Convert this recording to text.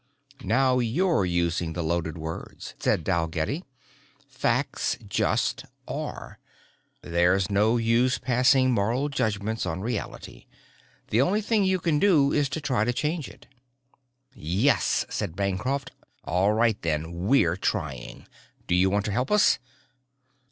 "Now you're using the loaded words," said Dalgetty. "Facts just are. There's no use passing moral judgments on reality, the only thing you can do is try to change it." "Yes," said Bancroft. "All right then, we're trying. Do you want to help us?"